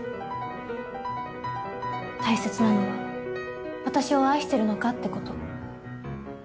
大切なのは私を愛してるのかってこと。